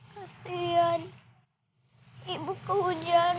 kasihan ibu kehujanan